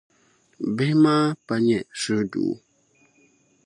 Bihi maa pa nyɛ suhudoo.